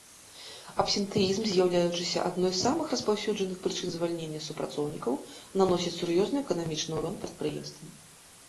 Абсентэізм, з'яўляючыся адной з самых распаўсюджаных прычын звальнення супрацоўнікаў, наносіць сур'ёзны эканамічны ўрон прадпрыемствам.